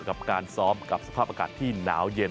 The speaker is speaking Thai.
กับการซ้อมกับสภาพอากาศที่หนาวเย็น